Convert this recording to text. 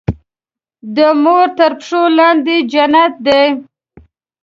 د مور تر پښو لاندې جنت دی.